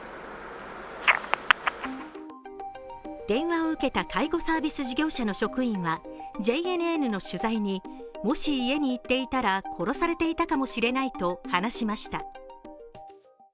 電話を受けた介護サービス事業者の職員は、ＪＮＮの取材にもし家に行っていたら殺されていたかもしれないと話しました。